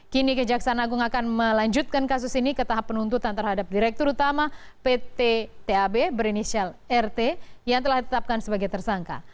kini kejaksaan agung akan melanjutkan kasus ini ke tahap penuntutan terhadap direktur utama pt tab berinisial rt yang telah ditetapkan sebagai tersangka